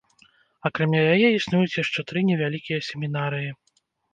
Акрамя яе існуюць яшчэ тры невялікія семінарыі.